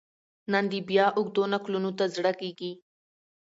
نن دي بیا اوږدو نکلونو ته زړه کیږي